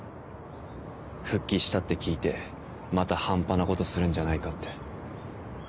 復帰したって聞いてまた半端なことするんじゃないかって。